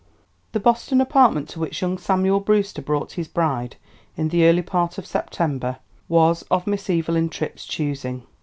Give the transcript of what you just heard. The Boston apartment to which young Samuel Brewster brought his bride in the early part of September was of Miss Evelyn Tripp's choosing.